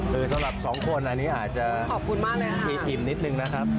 คือสำหรับสองคนอันนี้อาจจะอิ่มนิดนึงนะครับ